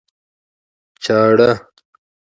چاړه